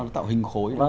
tạo hình khối